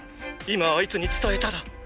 今あいつに伝えたら！